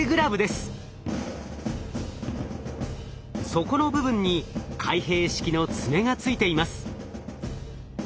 底の部分に開閉式の爪がついています。